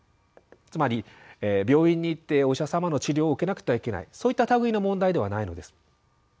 つまり病院に行ってお医者様の治療を受けなくてはいけないそういった類いの問題ではないのです。